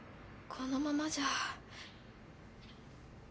このままじゃ。